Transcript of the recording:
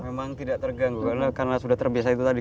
memang tidak terganggu karena sudah terbiasa itu tadi